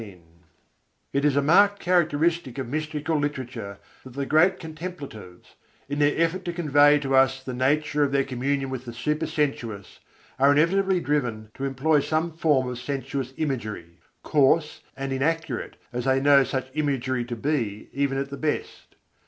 ] It is a marked characteristic of mystical literature that the great contemplatives, in their effort to convey to us the nature of their communion with the supersensuous, are inevitably driven to employ some form of sensuous imagery: coarse and inaccurate as they know such imagery to be, even at the best.